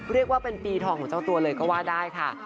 เรียกว่าเป็นปีทองของเจ้าตัวเลยก็ว่าได้ค่ะ